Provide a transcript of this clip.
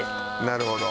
なるほど。